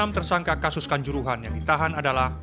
enam tersangka kasus kanjuruhan yang ditahan adalah